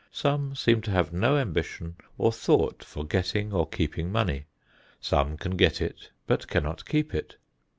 Some seem to have no ambition or thought for getting or keeping money. Some can get it but cannot keep it.